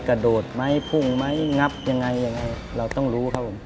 กระโดดไหมพุ่งไหมงับยังไงยังไงเราต้องรู้ครับผม